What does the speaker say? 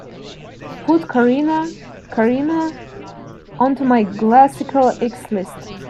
Put Corrina, Corrina onto my classical x list.